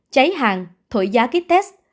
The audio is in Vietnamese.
cháy hàng thổi giá kit test